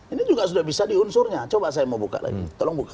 ini juga sudah bisa di unsurnya coba saya mau buka lagi tolong buka